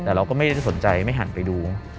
แต่เราก็ไม่ได้สนใจไม่หันไปดู